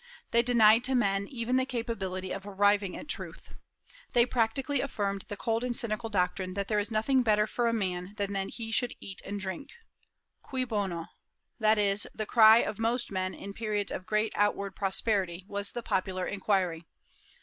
They denied to men even the capability of arriving at truth. They practically affirmed the cold and cynical doctrine that there is nothing better for a man than that he should eat and drink. Cui bono? this, the cry of most men in periods of great outward prosperity, was the popular inquiry.